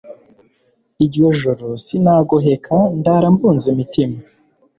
iryo joro sinagoheka ndara mbunza imitima